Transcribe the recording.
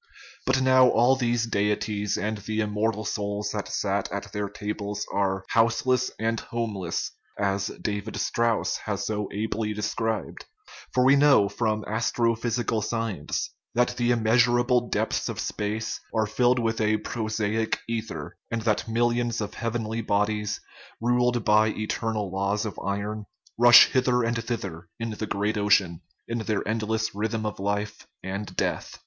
But now all these deities and the immortal souls that sat at their tables are " houseless and homeless/' as David Strauss has so ably described ; for we know from astrophysical science that the immeasurable depths of space are filled with a prosaic ether, and that millions of heavenly bodies, ruled by eternal laws of iron, rush hither and thither in the great ocean, in their eternal rhythm of life and death.